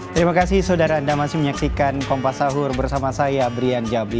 terima kasih saudara anda masih menyaksikan kompas sahur bersama saya brian jabri